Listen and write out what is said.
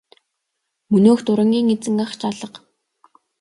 Мөнөөх дурангийн эзэн ах ч алга.